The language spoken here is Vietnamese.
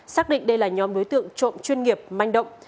xác định đây là nhóm đối tượng trộm chuyên nghiệp manh động